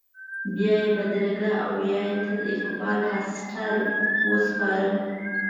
بیا یې بدرګه او یا یې تر اقبال هاسټل وسپارم.